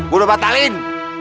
gue udah batalin